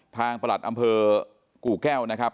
ประหลัดอำเภอกู่แก้วนะครับ